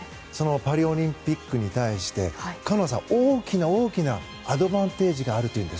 パリオリンピックに対してカノアさんは大きな大きなアドバンテージがあるというんです。